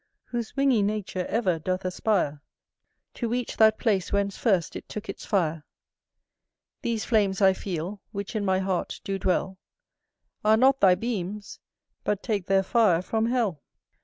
Whose wingy nature ever doth aspire To reach that place whence first it took its fire. These flames I feel, which in my heart do dwell, Are not thy beams, but take their fire from hell.